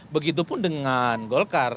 begitupun dengan golkar